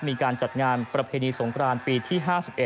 มีการจัดงานประเพณีสงครานปีที่๕๑